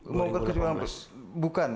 membongkar kecurangan pemilu bukan